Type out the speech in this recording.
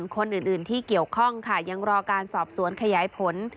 คนอื่นที่เกี่ยวข้องค่ะยังรอการสอบสวนขยายผล